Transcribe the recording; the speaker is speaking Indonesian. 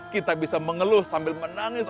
kita bisa mengeluh sambil menangis